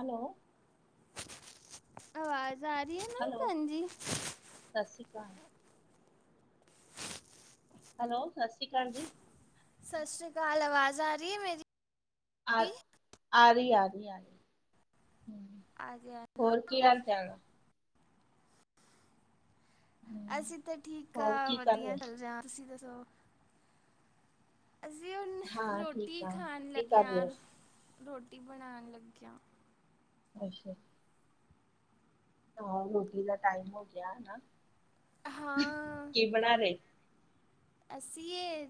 Hello, ਆਵਾਜ਼ ਆ ਰਹੀ ਹੈ ਨਾ, ਹੈਲੋ ਭੈਣਜੀ। ਸਤਿ ਸ਼੍ਰੀ ਅਕਾਲ, ਹੈਲੋ, ਸਤਿ ਸ਼੍ਰੀ ਅਕਾਲ ਜੀ। ਸਤਿ ਸ਼੍ਰੀ ਅਕਾਲ, ਆਵਾਜ਼ ਆ ਰਹੀ ਹੈ ਮੇਰੀ? ਆ, ਆ ਰਹੀ, ਆ ਰਹੀ, ਆ ਰਹੀ ਹੈ, ਆ ਗਿਆ ਨਾ ਹੋਰ ਕੀ ਆ। ਚੱਲ, ਹਮ, ਅਸੀਂ ਤਾਂ ਠੀਕ ਹੋਰ ਆ, ਕੀ ਕਰ ਰਹੇ ਵਧੀਆ ਚੱਲ ਜਾ, ਤੁਸੀਂ ਤਾਂ ਦਸੋ, ਅਸੀਂ ਹੁਣ ਹਾਂ ਰੋਟੀ ਠੀਕ ਆ ਖਾਣ ਕੀ ਕਰ ਰਹੇ ਲੱਗਿਆ, ਹੋ ਰੋਟੀ ਬਣਾਉਣ ਲੱਗਿਆ। ਅੱਛਾ, ਆਹੋ ਰੋਟੀ ਦਾ ਟਾਈਮ ਹੋ ਗਿਆ ਹਨਾ ਹਾਂ ਕੀ, ਬਣਾ ਰਹੇ, ਅਸੀਂ ਇਹ,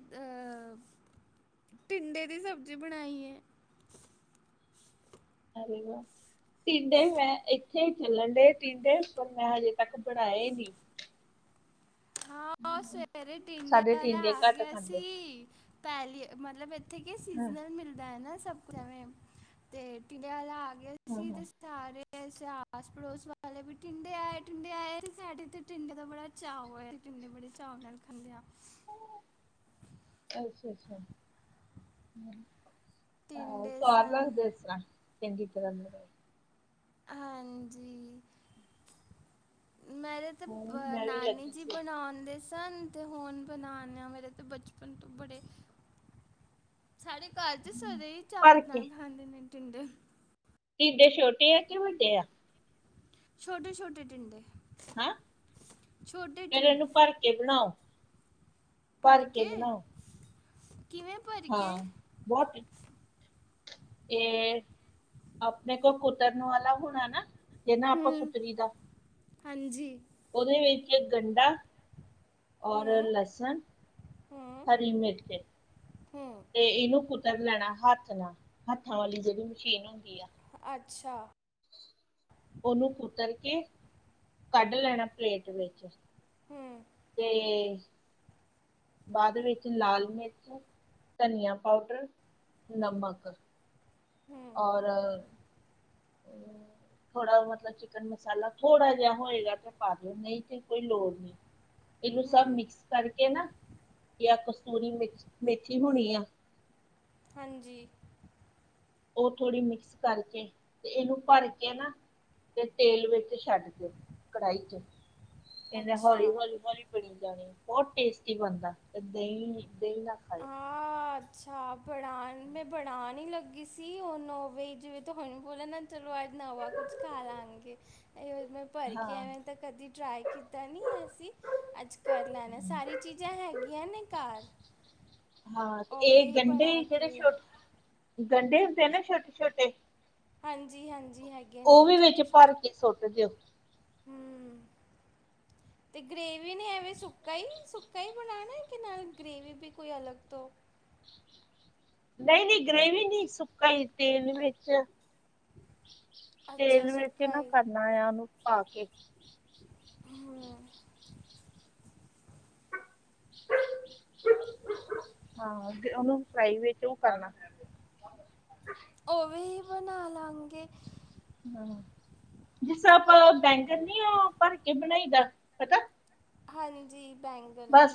ਟਿੰਂਡੇ ਦੀ ਸਬਜ਼ੀ ਬਣਾਈ ਹੈ। ਅਰੇ ਵਾਹ। ਟਿੰਡੇ ਮੈਂ, ਇੱਥੇ ਚੱਲਣ ਡ, ਟਿੰਡੇ ਪਰ ਮੈਂ ਹਜੇ ਤੱਕ ਬਣਾਏ, ਨਹੀਂ। ਹਾਂ, ਉਹ ਸਵੇਰੇ ਟਿੰਡੇ ਸਾਡੇ ਵਾਲਾ ਟਿੰਡੇ ਆ ਘੱਟ ਗਿਆ ਖਾਂਦੇ ਸੀ, ਪਹਿਲੀ ਮਤਲਬ ਇੱਥੇ ਕਿ ਹਾਂ ਸੀਜਨਲ ਮਿਲਦਾ ਹੈ, ਨਾ ਸਭ ਕੁ ਐਵੇਂ ਤੇ ਟਿੰਡੇ ਵਾਲਾ ਆ ਗਿਆ ਹਾਂ ਸੀ, ਹਾਂ ਤੇ, ਸਾਰੇ ਆਸ ਪੜੋਸ ਵਾਲੇ ਵੀ, ਟਿੰਡੇ ਆਏ, ਟਿੰਡੇ ਆਏ, ਸਾਡੇਥ ਟਿੰਡੇ ਦਾ, ਬੜਾ ਚਾਅ ਹੋਇਆ। ਕਿੰਨੇ ਬੜੇ ਚਾਅ ਨਾਲ਼ ਖਾਦੇ ਆ। ਅੱਛਾ, ਅੱਛਾ। ਟਿੰਡੇ ਇਸ ਸਨ [unintelligible] ਜਿਸ ਚੰਗੀ ਤਰਾਂ। ਹਾਂਜੀ, ਮੈਂਰੇ ਹਾਂ ਮੈਂ ਵੀ ਨਾਨੀ ਲੱਗੀ ਜੀ, ਸੀ ਬਣਾਉਣ ਸੀ ਧਨ ਹੁਣ ਬਣਾ ਆ, ਮੇਰੇ ਬਚਪਨ ਤੋਂ ਬੜੇ, ਸਾਡੇ ਘਰ ਚ ਸਾਰੇ ਹੀ ਚਾਵਲ ਭਰ ਕੇ ਨਾਲ ਖਾਂਦੇ ਨੇ, ਠਿੰਡੇ। ਟਿੰਡੇ ਛੋਟੇ ਆ, ਕਿ ਵੱਡੇ ਆ? ਛੋਟੇ, ਛੋਟੇ, ਟਿੰਡੇ, ਹੈ, ਛੋਟੇ ਫਿਰ ਇਹਨੂੰ ਟਿੰਡੇ ਭਰ ਕੇ ਬਣਾਓ। ਭਰ ਕੇ, ਕਿਵੇਂ? ਭਰ ਕੇ? ਹਾਂ, ਬਹੁਤ ਇਹ, ਆਪਣੇ ਕੋਲ, ਕੁਤਰਨ ਵਾਲਾ ਹੋਣਾ ਨਾ। ਜੇ, ਨਾ ਆਪਾਂ ਹੂੰ, ਕੁਤਰੀ ਦਾ। ਹਾਂਜੀ, ਉਹਦੇ ਵਿੱਚ ਇੱਕ ਗੰਢਾ। ਔਰ ਲਸਣ, ਹਰੀ ਮਿਰਚੀ, ਤੇ ਇਹਨੂੰ ਕੁਤਰ ਲੈਣਾ ਹੱਥ ਨਾਲ, ਹੱਥਾਂ ਵਾਲੀ ਜਿਹੜੀ ਮਸ਼ੀਨ ਹੁੰਦੀ ਆ। ਅੱਛਾ, ਉਹਨੂੰ ਕੁਤਰ ਕੇ, ਕੱਢ ਲੈਣਾ ਪਲੇਟ ਵਿੱਚ। ਹੂੰ। ਤੇ ਬਾਅਦ ਵਿੱਚ ਲਾਲ ਮਿਰਚ, ਧਨੀਆ ਪਾਊਡਰ, ਨਮਕ, ਔਰ [inaudible] ਥੋੜਾ ਮਤਲਬ ਚਿਕਨ ਮਸਾਲਾ ਥੋੜ੍ਹਾ ਜਿਹਾ ਹੋਏਗਾ ਤੇ ਪਾ ਲਿਓ ਨਹੀਂ ਤੇ ਕੋਈ ਲੋੜ ਨਹੀਂ। [inaudible] ਇਹਨੂੰ ਸਭ ਮਿਕਸ ਕਰਕੇ ਨਾ ਇਹ ਕਸੂਰੀ ਮ ਮੇਥੀ ਹੋਣੀ ਆ। ਹਾਂਜੀ। ਉਹ ਥੋੜ੍ਹੀ ਮਿਕਸ ਕਰਕੇ ਤੇ ਇਹਨੂੰ ਭਰ ਕੇ ਨਾ, ਤੇ ਤੇਲ ਵਿੱਚ ਛੱਡ ਦਿਓ, ਕੜਾਹੀ ਚ। ਫੇਰ ਹੌਲੀ ਅੱਛਾ, ਹੌਲੀ ਹੌਲੀ ਬਣੀ ਜਾਣੀ ਬਹੁਤ ਟੇਸਟੀ ਬਣਦਾ। ਦਹੀਂ, ਦਹੀਂ ਨਾ ਖਾਓ। ਹਾਂ, ਅੱਛਾ ਬਣਾਉਣ ਮੈਂ ਬਣਾਉਣ ਹੀ ਲੱਗੀ ਸੀ ਉਹ ਨੌ ਵਜ ਜਿਵੇਂ ਤੁਹਾਨੂੰ ਬੋਲ ਨਾ ਚਲੋ ਅਜ ਨਵਾ ਕੁਛ ਖਾ ਲਵਾਂਗੇ ਭਰ੍ਹ ਕੇ ਹਾਂ ਆਂ ਤਾਂ ਕਦੀ ਟਰਾਈ ਕੀਤਾ ਨਹੀ ਅਸੀਂ, ਅੱਜ ਕਰ ਲੈਣਾ ਸਾਰੀ ਚੀਜ਼ਾਂ ਹੈਗੀਆਂ ਨੇ ਘਰ ਹਾਂ, ਤੇ ਉਵੇਂ ਇਹ ਹੀ ਗੰਢੇ ਬਣਾ ਜਿਹੜੇ ਕੇ। ਛੋਟੇ, ਗੰਢੇ ਹੁੰਦੇ ਆ ਨਾ ਛੋਟੇ -ਛੋਟੇ ਹਾਂਜੀ, ਹਾਂਜੀ, ਹੈਗੀ ਉਹ ਵੀ ਵਿੱਚ ਭਰ ਕੇ ਸੁੱਟ ਦਿਓ ਹੂੰ ਤੇ ਗ੍ਰੇਵੀ ਨੇ ਐਵੇਂ ਸੁੱਕਾ ਹੀ ਸੁੱਕਾ ਹੀ ਬਣਾਉਣਾ ਕਿ ਨਾਲ ਗ੍ਰੇਵੀ ਵੀ ਕੋਈ ਅਲੱਗ ਤੋਂ ਨਹੀਂ -ਨਹੀਂ ਗਰੇੇਵੀ ਨਹੀਂ, ਸੁਕਾ ਹੀ ਤੇਲ ਵਿੱਚ, ਅੱਛਾ ਤੇਲ ਵਿੱਚ ਸੁੱਕਾ ਨਾ ਹੀ ਕਰਨ ਨੂੰ ਪਾ ਕੇ ਹੂੰ ਹਾਂ ਉਹਨੂੰ ਫਰਾਈ ਵਿੱਚ ਉਹ ਕਰਨਾ ਉਹਵੇ ਬਣਾ ਲਵਾਂਗੇ ਹਮ ਜਿਸ ਤਰ੍ਹਾਂ ਆਪਾਂ ਬੈਂਗਣ ਨੀ ਉਹ ਭਰ ਕੇ ਬਣਾਈ ਦਾ, ਪਤਾ ਹਾਂਜੀ ਬੈਂਕ ਬਸ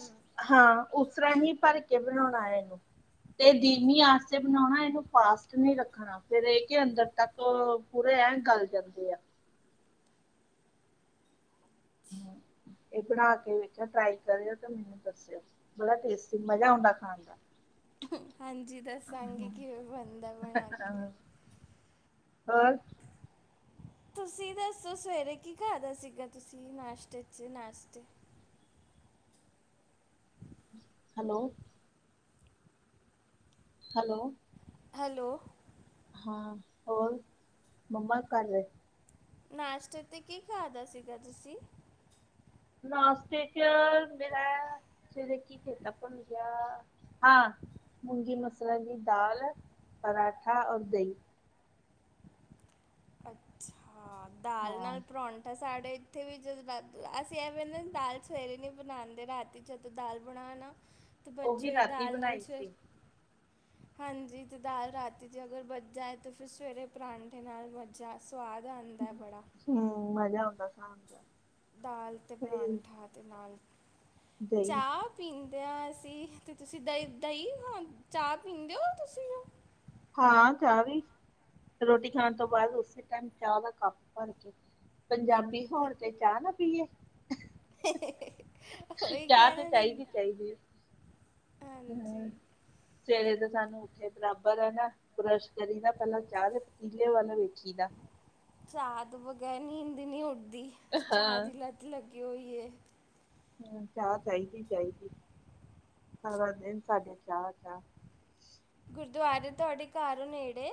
ਹਾਂ, ਉਸ ਤਰ੍ਹਾਂ ਹੀ ਭਰ ਕੇ ਬਣਾਉਣਾ ਹੈ ਇਹਨੂੰ ਤੇ ਦੀਮੀ ਆਂਚ ਤੇ ਬਣਾਉਣਾ ਇਹਨੂੰ ਫਾਸਟ ਨਹੀ ਰੱਖਣਾ ਫਿਰ ਇਹ ਕੇ ਅੰਦਰ ਤੱਕ ਪੂਰੇ ਐਂ ਗੱਲ ਜਾਂਦੇ ਆ ਇਹ ਬਣਾ ਕੇ ਵੇਖਿਆ ਟਰਾਈ ਕਰਿਓ ਤਾਂ ਮੈਨੂੰ ਦੱਸਿਓ ਬੜਾ ਟੇਸਟੀ, ਮਜ਼ਾ ਆਉਂਦਾ ਖਾਣ ਦਾ ਹਾਂਜੀ ਦੱਸਾਂਗੇ ਕਿਵੇਂ ਬਣਦਾ ਬਣਾ ਕੇ ਹਾਂ ਹੋਰ ਤੁਸੀਂ ਦੱਸੋ ਸਵੇਰੇ ਕੀ ਖਾਦਾ ਸੀਗਾ ਤੁਸੀਂ ਨਾਸ਼ਤੇ ਚ ਨਾਸ਼ਤੇ ਹੈਲੋ ਹੈਲੋ ਹੈਲੋ ਹਾਂ ਹੋਰ ਮੰਮਾ ਕੀ ਕਰ ਰਹੇ ਨਾਸ਼ਤੇ ਤੇ ਕੀ ਖਾਦਾ ਸੀਗਾ ਤੁਸੀਂ ਨਾਸ਼ਤੇ ਚ ਮੇਰਾ ਸਵੇਰੇ ਕੀ ਚੇਤਾ ਭੁੱਲ ਗਿਆ ਹਾਂ ਮੂੰਗੀ ਮਸਰਾ ਜੀ ਦਾਲ, ਪਰਾਂਠਾ ਔਰ ਦਹੀਂ ਅੱਛਾ, ਦਾਲ ਹਾਂ ਨਾਲ ਪਰੌਂਠੀ ਸਾਡੇ ਇੱਥੇ ਵੀ ਜਦਾਦੂ ਅਸੀਂ ਐਵੇਂ ਨਾ ਦਾਲ ਸਵੇਰੇ ਨੀ ਬਣਾਉਦੇ ਰਾਤੀ ਜਦੋਂ ਦਾਲ ਬਣਾ ਨਾ ਤੇ ਬੱਚੇ ਉਹੀ ਰਾਤੀ ਦਾਲ ਨਾਲ ਬਣਾਈ ਸ- ਸੀ ਹਾਂਜੀ ਤੇ ਦਾਲ ਰਾਤੀ 'ਚ ਅਗਰ ਬਚ ਜਾਏ ਤਾਂ ਫਿਰ ਸਵੇਰੇ ਪਰਾਂਠੇ ਨਾਲ ਬਚ ਜਾ ਸੁਵਾਦ ਆਉਂਦਾ ਬੜਾ ਹਮ, ਮਜ਼ਾ ਆਉਂਦਾ ਖਾਣ ਦਾ ਦਾਲ ਤੇ ਸਹੀ ਪਰਾਂਠਾ ਤੇ ਨਾਲ ਦਹੀਂ ਚਾਹ ਪੀਂਦੇ ਹਾਂ ਅਸੀਂ ਤੇ ਤੁਸੀਂ ਦਹੀ ਦਹੀਂ ਖਾਂ ਚਾਹ ਪੀਂਦੇ ਹੋ, ਤੁਸੀਂ ਜੋ ਹਾਂ ਚਾਹ ਵੀ, ਰੋਟੀ ਖਾਣ ਤੋਂ ਬਾਅਦ ਉਸੇ ਟਾਈਮ ਚਾਹ ਦਾ ਕੱਪ ਭਰ ਕੇ ਪੰਜਾਬੀ ਹੋਣ ਤੇ ਚਾਹ ਨਾ ਪੀਏ। ਉਹੀ ਚਾਹ ਤੇ ਕਹਿਣਾ ਚਾਹੀਦੀ -ਚਾਹੀਦੀ। ਹਮ ਹਾਂਜੀ। ਸਵੇਰੇ ਤੇ ਸਾਨੂੰ ਉੱਠੇ ਬਰਾਬ ਬਰ ਨਾ ਬਰੱਸ਼ ਕਰੀ ਦਾ ਪਹਿਲਾਂ ਚਾਹ ਦੇ ਪਤੀਲੇ ਵੱਲ ਵੇਖੀ ਦਾ ਚਾਹ ਤੋਂ ਬਗੈਰ ਨੀਂਦ ਨਹੀਂ ਆਉਦੀ, ਚਾਹ ਹਾਂ ਦੀ ਲੱਤ ਲੱਗੀ ਹੋਈ ਹੈ ਹਮ, ਚਾਹ ਚਾਹੀਦੀ- ਚਾਹੀਦੀ, ਸਾਰਾ ਦਿਨ ਸਾਡੇ ਚਾਹ -ਚਾਹ ਗੁਰਦੁਆਰੇ ਤੁਹਾਡੇ ਘਰੋਂ ਨੇੜੇ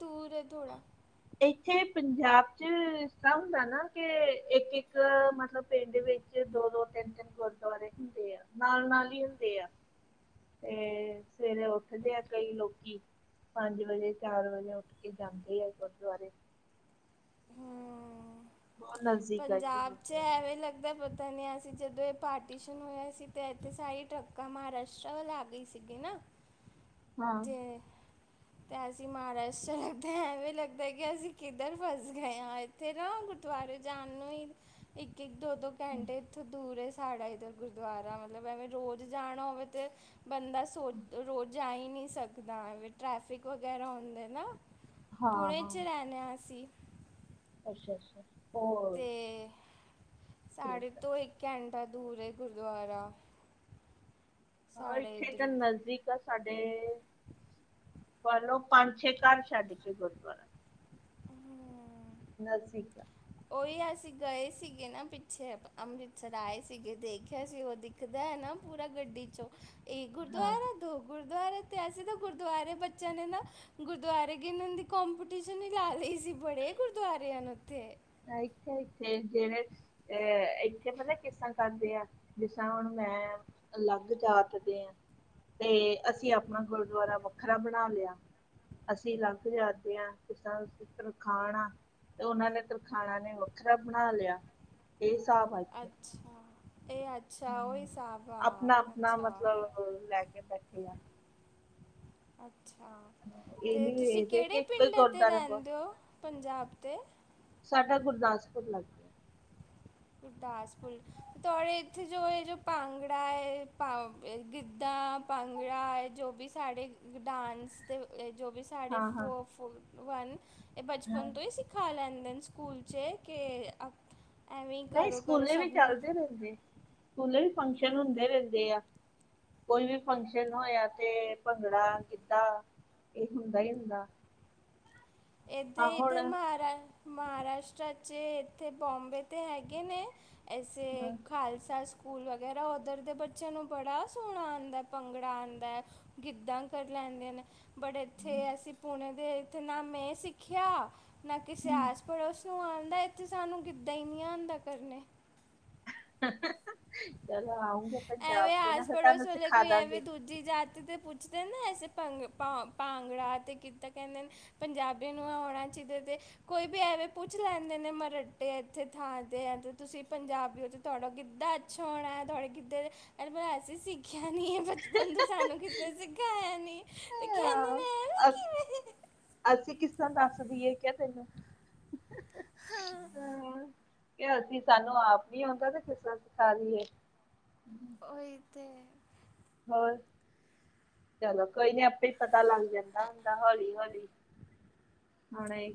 ਦੂਰ ਹੈ ਥੋੜ੍ਹਾ ਇੱਥੇ ਪੰਜਾਬ ਚ ਇਸ ਹੁੰਦਾ ਨਾ ਕਿ ਇੱਕ -ਇੱਕ ਮਤਲਬ ਪਿੰਡ ਵਿੱਚ ਦੋ ਦੋ ਤਿੰਨ ਤਿੰਨ ਗੁਰਦੁਆਰੇ ਹੁੰਦੇ ਆ ਨਾਲ ਨਾਲ ਹੀ ਹੁੰਦੇ ਆ। ਤੇ ਸਵੇਰੇ ਉੱਠਦੇ ਆ ਕਈ ਲੋਕੀ ਪੰਜ ਵਜੇ ਚਾਰ ਵਜੇ ਉੱਠ ਕੇ ਜਾਂਦੇ ਆ ਗੁਰਦੁਆਰੇ ਹਮ ਬੋਨਸ ਪੰਜਾਬ 'ਚ ਐਵੇਂ ਹੀ ਲੱਗਦਾ ਤਾ ਨਹੀਂ ਅਸੀਂ ਜਦੋਂ ਇਹ ਪਾਰਟੀਸ਼ਨ ਹੋਇਆ ਸੀ ਤਾਂ ਇੱਥੇ ਸਾਰੀ ਟਰੱਕਾਂ ਮਹਾਰਾਸ਼ਟਰ ਵੱਲ ਆ ਗਈ ਸੀਗੀ ਨਾ ਹਾਂ ਜੇ ਤੇ ਅਸੀਂ ਮਹਾਰਾਸ਼ਟਰ ਲੱਗਦੇ ਐਵੇਂ ਲੱਗਦਾ ਕਿ ਅਸੀਂ ਕਿੱਧਰ ਫਸ ਗਏ ਹਾਂ ਫਿਰ ਗੁਰਦੁਆਰੇ ਜਾਣ ਨੂੰ ਇੱਕ ਇੱਕ ਦੋ ਦੋ ਘੰਟੇ ਇੱਥੋਂ ਦੂਰ ਸਾਡਾ ਇੱਧਰ ਗੁਰਦੁਆਰਾ ਮਤਲਬ ਮੈਂ ਰੋਜ਼ ਜਾਣਾ ਹੋਵੇ ਤੇ ਬੰਦਾ ਸੋਚ ਰੋਜ਼ ਜਾ ਹੀ ਨਹੀਂ ਸਕਦਾ ਟਰੈਫਿਕ ਵਗੈਰਾ ਹੁੰਦੇ ਨਾ। ਹਾਂ ਪੁਣੇ ਹਾਂ 'ਚ ਰਹਿਣਾ ਅਸੀਂ। ਅੱਛਾ -ਅੱਛਾ। ਹੋਰ ਤੇ ਸਾਡੇ ਠੀਕ ਹੈ ਤੋਂ ਇੱਕ ਘੰਟਾ ਦੂਰ ਹੈ ਗੁਰਦੁਆਰਾ। ਹਾਂ ਸਾਡੇ ਇੱਥੇ ਤਾਂ ਇੱਧਰੋਂ ਨਜ਼ਦੀਕ ਆ ਸਾਡੇ ਵਲੋ ਪੰਜ ਛੇ ਘਰ ਛੱਡ ਕੇ ਗੁਰਦੁਆਰਾ। ਨਾਸਿਕ ਉਹੀ ਅਸੀਂ ਗਏ ਸੀਗੇ ਨਾ ਪਿੱਛੇ ਅੰਮ੍ਰਿਤਸਰ ਆਏ ਸੀਗੇ ਦੇਖਿਆ ਸੀ ਉਹਦੀ। ਦਿਖਦਾ ਹੈ ਨਾ ਪੂਰਾ ਗੱਡੀ ਚੋਂ ਇਹ ਗੁਰਦੁਆਰਾ ਹਾਂ ਹੈ। ਦੋ ਗੁਰਦੁਆਰੇ ਤੇ ਅਸੀਂ ਤਾਂ ਗੁਰਦੁਆਰੇ ਬੱਚਿਆਂ ਨੇ ਨਾ ਗੁਰਦੁਆਰੇ ਗਿਣ ਦੀ ਕੰਪੀਟੀਸ਼ਨ ਹੀ ਲਾ ਲਈ ਸੀ ਬੜੇ ਗੁਰਦੁਆਰ ਨੂੰ ਉੱਥੇ [unintelligible] ਜਿਹੜੇ ਅ ਇੱਥੇ ਪਤਾ ਕਿਸ ਤਾਂ ਕਰਦੇ ਆ ਜਿਸ ਤਾਂ ਹੁਣ ਮੈਂ ਲੱਗ ਜਾਤਦੇ ਹੈ ਤੇ ਅਸੀਂ ਆਪਣਾ ਗੁਰਦੁਆਰਾ ਵੱਖਰਾ ਬਣਾ ਲਿਆ ਅਸੀਂ ਲੱਗ ਜਾਤੀ ਹਾਂ ਕਿਸਾਨ ਤਰਖਾਣ ਆ ਤੇ ਉਹਨਾਂ ਨੇ ਖਾਣਾ ਨੇ ਵੱਖਰਾ ਬਣਾ ਲਿਆ ਇਹ ਹਿਸਾਬ ਹਨ। ਅੱਛਾ ਇਹ ਆ ਅੱਛਾ ਉਹੀ ਹਿਸਾਬਾਂ ਆ ਆਪਣਾ ਆਪਣਾ ਅੱਛਾ ਮਤਲਬ ਲੈ ਕੇ ਬੈਠੇ ਆ ਅੱਛਾ। ਇਹ ਤੇ ਨੀ ਤੁਸੀਂ ਵੇਖਦੇ ਕਿ ਕਿਹੜੇ ਇੱਕੋ ਹੀ ਪਿੰਡ ' ਗੁਰਦੁਆਰਾ ਵਾ ਰਹਿੰਦੇ ਹੋ ਪੰਜਾਬ 'ਤੇ ਸਾਡਾ ਗੁਰਦਾਸਪੁਰ ਲੱਗਦਾ। ਗੁਰਦਾਸਪੁਰ ਤੁਹਾਡੇ ਇੱਥੇ ਜੋ ਇਹ ਜੋ ਭਾਂਗੜਾ ਹੈ ਗਿੱਧਾ। ਭੰਗੜਾ ਹੈ ਜੋ ਵੀ ਸਾਡੇ ਡਾਂਸ ਦੇ ਜੋ ਵੀ ਤੁਹਾਡੇ ਹਾਂ-ਹਾਂ। [unintelligible] ਵਨ ਹਾਂ ਹਾਂ, ਬਚਪਨ ਤੋਂ ਹੀ ਖਾ ਲੈਂਦੇ ਸਕੂਲ ਚ ਕੇ ਐਵੇਂ ਹੀ ਨਹੀਂ ਕਰੋ ਕਰੋ ਸਕੂਲੇ ਵੀ ਸਭ ਨੂੰ ਚੱਲਦੇ ਰਹਿੰਦੀ ਸਕੂਲੇ ਵੀ ਫੰਕਸ਼ਨ ਹੁੰਦੇ ਰਹਿੰਦੇ ਆ। ਕੋਈ ਵੀ ਫੰਕਸ਼ਨ ਹੋਇਆ ਤੇ ਭੰਗੜਾ ਗਿੱਧਾ ਇਹ ਹੁੰਦਾ ਹੀ ਹੁੰਦਾ। ਆ ਇੱਥੇ ਹੁਣ ਤੇ ਮਾਰਾ ਹੈ। ਮਹਾਰਾਸ਼ਟਰ 'ਚ ਇੱਥੇ ਬੁੰਬੇ 'ਤੇ ਹੈਗੇ ਨੇ ਐਸੇ ਹਾਂ ਖਾਲਸਾ ਸਕੂਲ ਵਗੈਰਾ ਉੱਧਰ ਦੇ ਬੱਚਿਆਂ ਨੂੰ ਬੜਾ ਸੋਹਣਾ ਆਉਂਦਾ ਭੰਗੜਾ ਆਉਂਦਾ। ਗਿੱਧਾਂ ਕਰ ਲੈਂਦੇ ਨੇ। ਬੜੇ ਇੱਥੇ ਅਸੀਂ ਪੁਣੇੇ ਦੇ ਇੱਥੇ ਨਾ ਮੈਂ ਸਿੱਖਿਆ ਨਾ ਕਿਸੇ ਹੂੰ ਆਸ ਪੜੋਸ। ਉਹ ਆਉਣ ਦਾ ਸਾਨੂੰ ਗਿੱਦਾ ਹੀ ਨਹੀਂ ਆਉਂਦਾ ਕਰਨੇ। ਚਲੋ ਆਉਗੇ ਪੰਜਾਬ ਚ ਨਾ ਫਿਰ ਤੁਹਾਨੂੰ ਸਿਖਾ ਦਾਂਗੇ। ਨੀਤੀ ਜਾਤੀ 'ਤੇ ਪੁੱਛਦੇ ਨਾ ਐਸੇ ਭੰਗੜਾ ਤੇ ਗਿੱਦਾ ਕਹਿੰਦੇ। ਪੰਜਾਬੀ ਨੂੰ ਆਉਣਾ ਜਿਹਦੇ ਤੇ। ਕੋਈ ਵੀ ਐਵੇਂ ਪੁੱਛ ਲੈਂਦੇ ਨੇ ਮਰਾਟੇ ਇੱਥੇ ਥਾਂ ਤੇ ਆ ਤੇ ਤੁਸੀਂ ਪੰਜਾਬੀ ਹੋ ਤੇ ਤੁਹਾਡਾ ਗਿੱਧਾ ਛੋਣਾ ਤੁਹਾਡੇ ਗਿੱਦੇ ਤੇ [unintelligible] ਕਿਆ ਨੀ ਇਹ ਬਚਪਨ ਤੋਂ ਸਾਨੂੰ ਕਿਸੇ ਨੇ ਸਕਾਇਆ ਨਹੀਂ ਨੀ ਤੇ ਕਹਿੰਦੇ ਨੇ ਐਵੇਂ ਅ ਕਿਵੇਂ। ਅਸੀਂ ਕਿਸ ਤਰਾ ਦੱਸਦੀ ਹੈ ਕੇ ਤੈਨੂੰ ਹਾਂ ਹਮ। ਕਿ ਅਸੀਂ ਸਾਨੂੰ ਆਪ ਨੀ ਆਉਂਦਾ ਤੇ ਕਿਸ ਸਿਖਾ ਲਾਇਏ ਓਹੀ ਤੇ ਹੋਰ ਚਲੋ ਕੋਈ ਨੀ ਆਪੇ ਪਤਾ ਲੱਗ ਜਾਂਦਾ ਹੁੰਦਾ ਹੌਲੀ ਹੌਲੀ। ਹਾ ਨਈ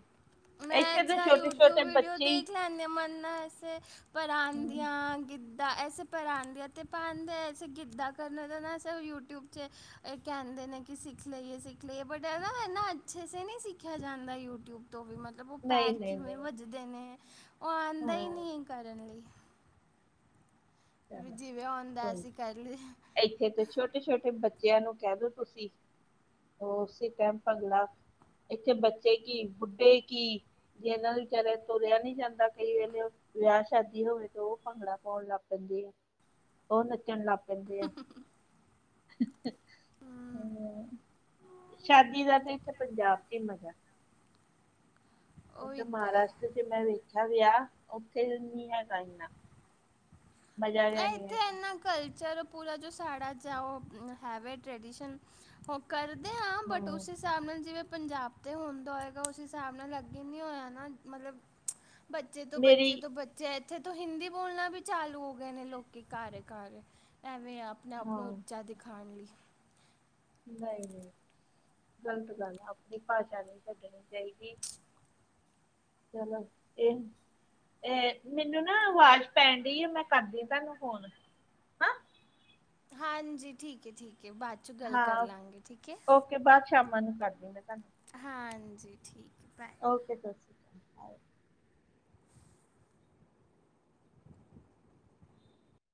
ਮੈਂ ਅੱਛਾ ਯੂਟੀਿਊਬ ਵੀਡੀਓ ਹੀ ਦੇਖ ਲੈਂਦੇ ਹ ਮੰਨਨਾ ਵਸ ਪਰਾਂਂਦੀਆਂ ਗਿੱਧ ਤਾਂ ਅਸੇ ਪਰਾਂਦੇ ਤੇ ਪਾਂਦੇ ਐਸੇ ਗਿੱਧਾ ਕਰਨ ਦਾ ਅਸੀ ਯੂਟੀਿਊਬ 'ਚ ਇਹ ਕਹਿੰਦੇ ਨੇ ਕਿ ਸਿੱਖ ਲਈਏ ਸਿੱਖ ਲਈਏ ਬਟ ਇਹਦਾ ਇ ਨਾ ਅੱਛੇ ਸ ਨਹੀਂ ਸਿੱਖਿਆ ਜਾਂਦਾ ਯੂਟਿਊਬ। ਤੋਂ ਵੀ ਮਤਲਬ ਉਹ ਪੈਰ ਨਹੀਂ ਨਹੀਂ ਕਿਵੇਂ ਨਹੀਂ ਵੱਜਦੇ ਨੇ ਉਹ ਆਉਂਦਾ ਹੀ ਹਾਂ ਨਹੀਂ ਹੈ ਕਰਨ ਲਈ। ਚਲੋ ਜਿਵੇਂ ਹੁੰਦਾ ਕੋਈ ਅਸੀਂ ਕਰ ਲਏ। ਇੱਥੇ ਤੇ ਛੋਟੇ ਛੋਟੇ ਬੱਚਿਆਂ ਨੂੰ ਕਹਿ ਦੋ ਤੁਸੀਂ ਉਸੇ ਟਾਇਮ ਭਗਲਾ ਇੱਥੇ ਬੱਚੇ ਕੀ ਬੁੱਢੇ ਕੀ ਜੇ ਇਹਨਾਂ ਨੂੰ ਵਿਚਾਰਾਰੇ ਤੁਰਿਆ ਨੀ ਜਾਂਦਾ ਕਈ ਵੇਲੇ ਵਿਆਹ ਸ਼ਾਦੀ ਹੋਵੇ ਤੇ ਉਹ ਭੰਗੜਾ ਪਾਉਣ ਲੱਗ ਪ ਪੈਂਦੀ ਆ ਉਹ ਨੱਚਣ ਲੱਗ ਪੈਂਦੇ ਆ। ਸ਼ਾਦੀ ਦਾ ਤੇ ਇੱਥੇ ਪੰਜਾਬ ਚ ਹੀ ਮਜ਼ਾ। ਉਥੇ ਮਹਾਰਾਸ਼ਟਰ ਚ ਮੈਂ ਵੇਖਿਆ ਗਿਆ ਉੱਥੇ ਨਿ ਹੈਗਾ ਐਨਾ ਮਜ਼ਾ ਜਿਆ ਨਹੀਂ ਇੱਥੇ ਹੈਗਾ। ਇੰਨਾ ਕਲਚਰ ਪੂਰਾ ਜੋ ਸਾਡਾ ਜ ਉਹ ਹੈਵੇ ਟਰਡੀਸ਼ਨ। ਉਹ ਕਰਦੇ ਹਾਂ ਬਟ ਉ ਸੀਸ ਹਿਸਾਬ ਨਾਲ ਜਿਵੇਂ ਪੰਜਾਬ ਤੇ ਹੁੰਦਾ ਹੋਏਗਾ ਉਸ ਹਿਸਾਬ ਨਾਲ ਅੱਗੇ ਹੀ ਨੀ ਹੋਇਆ ਨਾ ਮਤਲਬ ਬੱਚੇ ਤੋਂ ਮੇਰੀ ਬੱਚੇ ਤੋਂ ਬੱਚੇ ਇੱਥੇ ਤੋਂ ਹਿੰਦੀ ਬੋਲਣਾ ਵੀ ਚਾਲੂ ਹੋ ਗਿਆ। ਨੇ ਲੋਕੀ ਘਰ ਘਰ ਐਵੇਂ ਆ ਆਪਣੇ ਆਪ ਹਾਂ ਨੂੰ ਉੱਚਾ ਦਿਖਾਉਣ ਲਈ। ਨਹੀਂ ਨਹੀਂ ਗ਼ਲਤ ਗੱਲ ਆ ਆਪਣੀ ਭਾਸ਼ਾ ਨਹੀਂ ਛੱਡਣੀ ਚਾਹੀ। ਚਲੋ ਇਹ ਇਹ ਮੈਨੂੰ ਨਾ ਆਵਾਜ਼ ਪੈਣ ਡਈ ਆ ਮੈਂ ਕਰਦੀ ਤੁਹਾਨੂੰ ਫੋਨ ਹਾਂ ਹਾਂਜੀ ਠੀਕ ਹੈ ਠੀਕ ਹੈ ਬਾਤ। ਹਾਂ ਓਕੇ ਬਾਅਦ ਸ਼ਾਮਾਂ ਨੂੰ ਕਰਦੀ ਮੈਂ ਤੁਹਾਨੂੰ ਹਾਂਜੀ ਠੀਕ। ਓਕੇ ਸਤਿ ਸ਼੍ਰੀ ਅਕਾਲ ਜੀ।